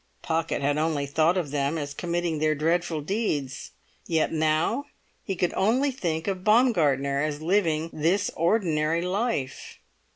Pocket had only thought of them as committing their dreadful deeds, yet now he could only think of Baumgartner as living this ordinary life.